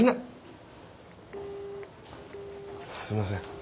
すいません。